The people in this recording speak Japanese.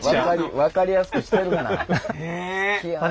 分かりやすくしてるがな。